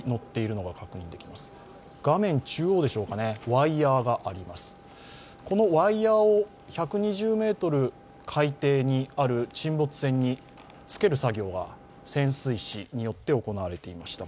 このワイヤーを１２０ｍ海底にある沈没船につける作業が潜水士によって行われていました。